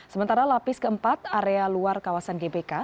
sementara lapis keempat area luar kawasan gbk